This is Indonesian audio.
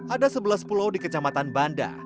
ada sebelas pulau di kecamatan banda